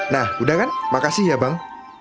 nah udah kan makasih ya bang